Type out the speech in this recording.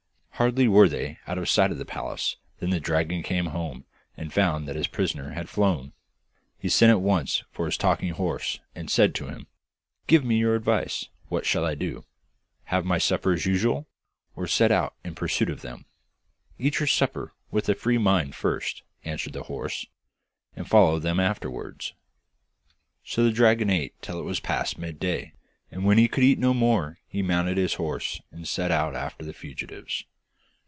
Hardly were they out of sight of the palace than the dragon came home and found that his prisoner had flown. He sent at once for his talking horse, and said to him: 'Give me your advice; what shall I do have my supper as usual, or set out in pursuit of them?' 'Eat your supper with a free mind first,' answered the horse, 'and follow them afterwards.' So the dragon ate till it was past mid day, and when he could eat no more he mounted his horse and set out after the fugitives.